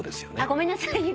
ごめんなさい。